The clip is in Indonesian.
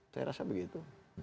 saya rasa begitu